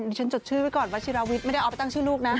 ฉันจดชื่อไว้ก่อนวัชิราวิทย์ไม่ได้เอาไปตั้งชื่อลูกนะ